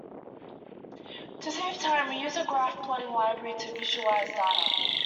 To save time, use a graph plotting library to visualize data.